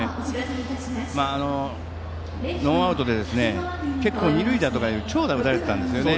ノーアウトで結構、二塁打とか長打を打たれていたんですよね。